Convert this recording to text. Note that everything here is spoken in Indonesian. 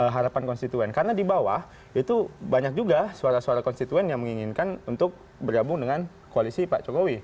harapan konstituen karena di bawah itu banyak juga suara suara konstituen yang menginginkan untuk bergabung dengan koalisi pak jokowi